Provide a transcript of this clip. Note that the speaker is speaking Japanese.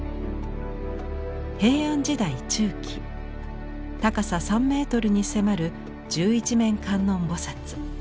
平安時代中期高さ３メートルに迫る十一面観音菩。